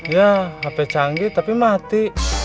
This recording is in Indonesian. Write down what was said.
ya hp canggih tapi mati